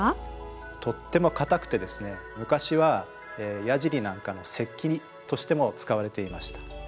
とっても硬くてですね昔はやじりなんかの石器としても使われていました。